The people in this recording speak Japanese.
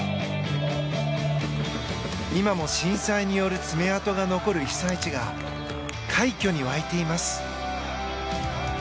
今も震災による爪痕が残る被災地が快挙に沸いています。